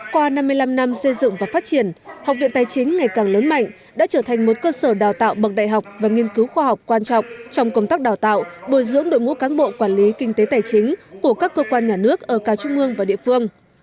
qua năm mươi năm năm xây dựng và phát triển học viện tài chính ngày càng lớn mạnh đã trở thành một cơ sở đào tạo bậc đại học và nghiên cứu khoa học quan trọng trong công tác đào tạo bồi dưỡng đội ngũ cán bộ quản lý kinh tế tài chính của các cơ quan nhà nước ở cả trung ương và địa phương